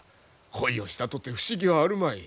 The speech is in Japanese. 恋をしたとて不思議はあるまい。